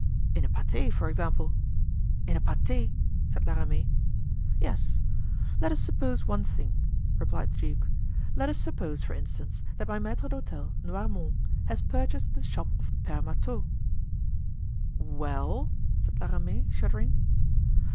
"In a pate, for example." "In a pate?" said La Ramee. "Yes. Let us suppose one thing," replied the duke "let us suppose, for instance, that my maitre d'hotel, Noirmont, has purchased the shop of Pere Marteau——" "Well?" said La Ramee, shuddering.